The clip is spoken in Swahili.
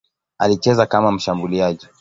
Alicheza kama mshambuliaji.